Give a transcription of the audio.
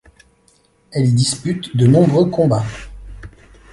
Elle y dispute de nombreux combats.